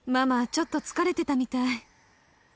ちょっと疲れてたみたい